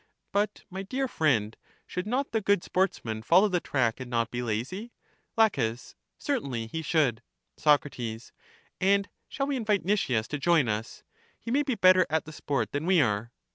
But, my dear friend, should not the good sportsman follow the track, and not be lazy? La, Certainly, he should. Soc, And shall we invite Nicias to join us? he may be better at the sport than we are.